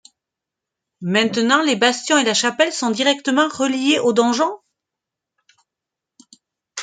Maintenant les bastions et la chapelle sont directement reliés au donjon?